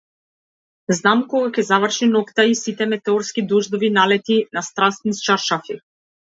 Знам кога ќе заврши ноќта и сите метеорски дождови налети на страст низ чаршафи.